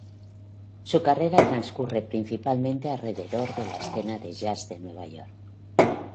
Su carrera trascurre principalmente alrededor de la escena de jazz de Nueva York.